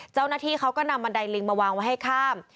เจ้าหน้าที่เขาก็นำบันไดลิงมาวางไว้ให้ข้าม